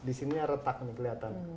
disini retak nih keliatan